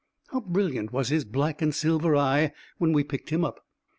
How brilliant was his black and silver eye when we picked him up!